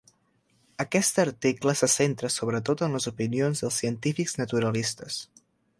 Aquest article se centra sobretot en les opinions dels científics naturalistes.